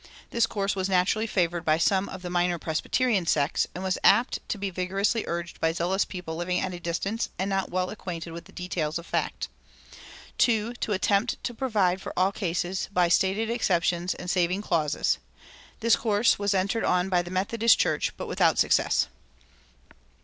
This course was naturally favored by some of the minor Presbyterian sects, and was apt to be vigorously urged by zealous people living at a distance and not well acquainted with details of fact. (2) To attempt to provide for all cases by stated exceptions and saving clauses. This course was entered on by the Methodist Church, but without success.